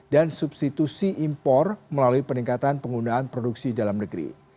dan substitusi impor melalui peningkatan penggunaan produksi dalam negeri